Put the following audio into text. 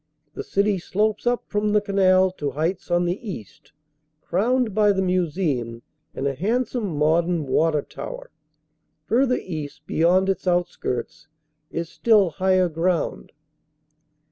The city slopes up from the canal to heights on the east, crowned by the museum and a handsome modern water tower. Fur ther east, beyond its outskirts, is still higher ground.